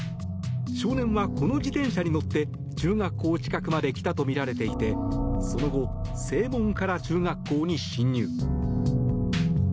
少年はこの自転車に乗って中学校近くまで来たとみられていてその後、正門から中学校に侵入。